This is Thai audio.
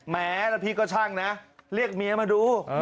แม้แล้วพี่ก็ช่างนะเรียกเมียมาดู